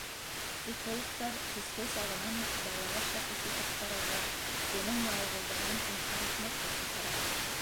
Психологтар кескәй сағынан уҡ балаға шәхес итеп ҡарарға, уның мауығыуҙарын инҡар итмәҫкә саҡыра.